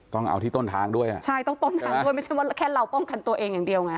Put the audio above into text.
ต้องเอาที่ต้นทางด้วยอ่ะใช่ต้องต้นทางด้วยไม่ใช่ว่าแค่เราป้องกันตัวเองอย่างเดียวไง